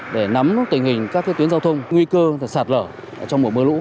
để nắm tình hình các tuyến giao thông nguy cơ sạt lở trong mùa mưa lũ